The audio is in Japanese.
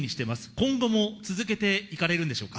今後も続けていかれるんでしょうか。